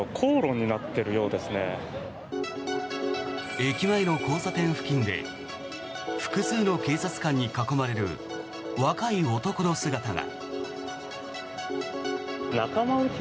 駅前の交差点付近で複数の警察官に囲まれる若い男の姿が。